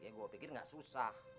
ya gue pikir nggak susah